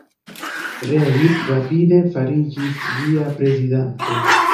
Reid rapide fariĝis ĝia prezidanto.